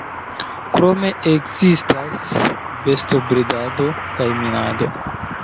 Krome ekzistas bestobredado kaj minado.